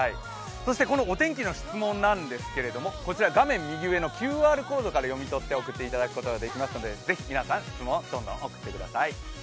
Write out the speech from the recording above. そして、このお天気の質問なですけれども画面右上のＱＲコードから読み取って送っていただくことができますので、ぜひ皆さんどんどん質問を送ってください。